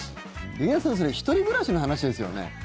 劇団さんそれ、１人暮らしの話ですよね？